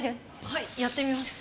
はいやってみます。